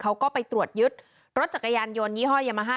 เขาก็ไปตรวจยึดรถจักรยานยนยี่ห้อยามาฮ่า